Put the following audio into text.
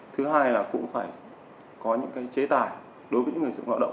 thứ hai là cũng phải có những chế tài đối với người lao động